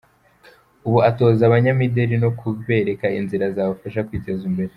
Ubu atoza abanyamideli no kubereka inzira zabafasha kwiteza imbere.